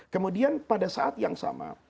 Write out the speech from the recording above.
kemudian pada saat yang sama